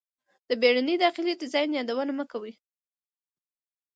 د بیړني داخلي ډیزاین یادونه مه کوئ